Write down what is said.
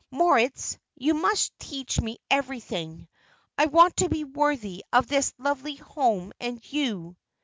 Moritz, you must teach me everything. I want to be worthy of this lovely home and you."